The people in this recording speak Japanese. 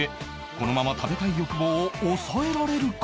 このまま食べたい欲望を抑えられるか？